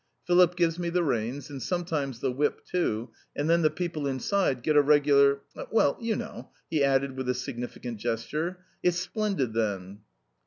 Philip gives me the reins, and sometimes the whip too, and then the people inside get a regular well, you know," he added with a significant gesture "It's splendid then."